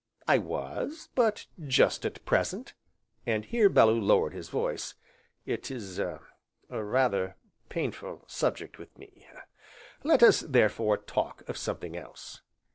"I was, but, just at present," and here Bellew lowered his voice, "it is a er rather painful subject with me, let us, therefore, talk of something else."